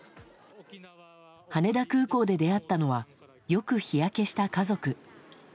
羽田空港で出会ったのはよく日焼けした家族。